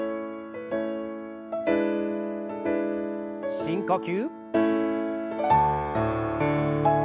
深呼吸。